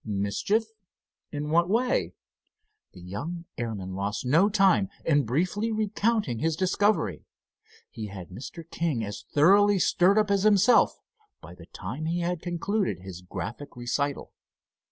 "Mischief? In what way?" The young airman lost no time in briefly recounting his discovery. He had Mr. King as thoroughly stirred up as himself by the time he had concluded his graphic recital.